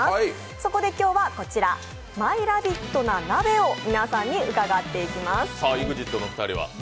そこで今日はマイラビットな鍋を皆さんに伺っていきます。